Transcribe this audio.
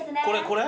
これ？